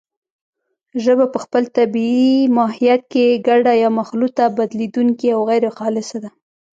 ژبه په خپل طبیعي ماهیت کې ګډه یا مخلوطه، بدلېدونکې او غیرخالصه ده